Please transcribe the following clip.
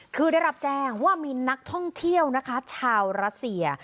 คือได้รับแจ้งว่ามีนักท่องเที่ยวนะคะชาวรัสเซีย